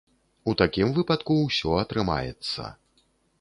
У такім выпадку ўсё атрымаецца.